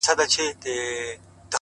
د گل خندا؛